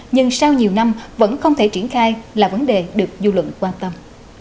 nhưng sau nhiều năm vẫn không thể triển khai là vấn đề được du lận quan tâm